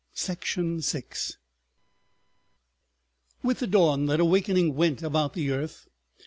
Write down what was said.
...§ 6 With the dawn that awakening went about the earth.